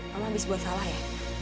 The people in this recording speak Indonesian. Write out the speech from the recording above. kamu habis buat salah ya